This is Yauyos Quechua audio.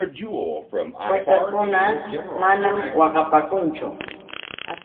Qusakuna manam waqapaakunchu.